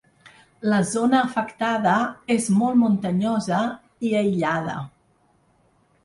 La zona afectada és molt muntanyosa i aïllada.